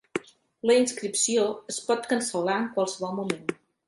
La inscripció es pot cancel·lar en qualsevol moment.